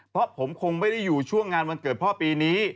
เพราะผมคงไม่ได้อยู่ช่วงงานวันเกิดพ่อปีนี้